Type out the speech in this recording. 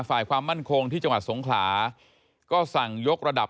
ฝ่ายความมั่นคงที่จังหวัดสงขลาก็สั่งยกระดับ